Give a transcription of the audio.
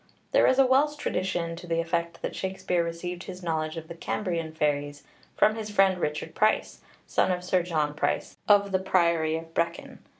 There is a Welsh tradition to the effect that Shakspeare received his knowledge of the Cambrian fairies from his friend Richard Price, son of Sir John Price, of the priory of Brecon.